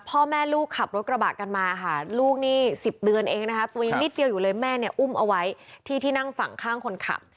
พ่อแม่ลูกขับรถกระบะกันมาค่ะลูกนี่๑๐เดือนเองนะคะตัวยังนิดเดียวอยู่เลยแม่เนี่ยอุ้มเอาไว้ที่ที่นั่งฝั่งข้างคนขับ